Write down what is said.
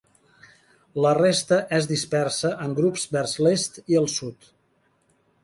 La resta és dispersa en grups vers l'est i el sud.